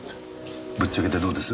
ぶっちゃけてどうです？